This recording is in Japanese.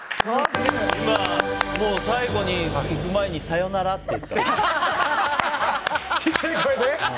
最後にいく前にさよならって言った。